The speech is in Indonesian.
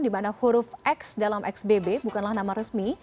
di mana huruf x dalam xbb bukanlah nama resmi